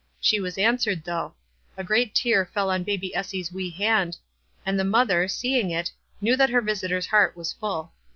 She was answered, though. A great tear fell on baby Essie's wee hand, and the mother, see ing it, knew that her visitor's heart was full.